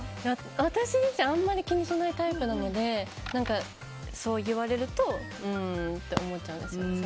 私自身あんまり気にしないタイプなのでそう言われるとうーんと思っちゃうんです。